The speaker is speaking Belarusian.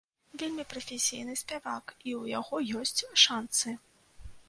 Вельмі прафесійны спявак, і ў яго ёсць шанцы.